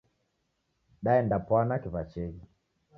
Daendapwana kiw'achenyi.